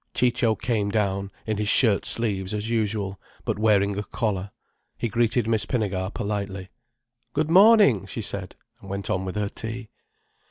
Ciccio came down, in his shirt sleeves as usual, but wearing a collar. He greeted Miss Pinnegar politely. "Good morning!" she said, and went on with her tea.